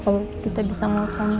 kalau kita bisa melakukan